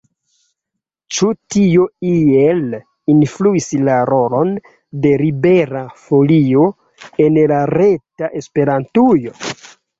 Ĉu tio iel influis la rolon de Libera Folio en la reta Esperantujo?